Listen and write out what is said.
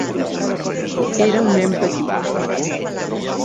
Era un nen petit?